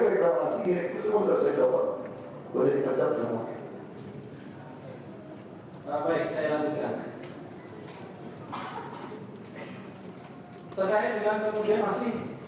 yang mereka menamakan paku iman